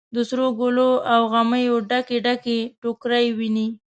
د سروګلو او غمیو ډکې، ډکې ټوکرۍ ویني